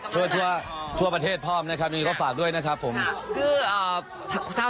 ทั่วทั่วทั่วประเทศพร้อมนะครับนี่ก็ฝากด้วยนะครับผมครับคืออ่า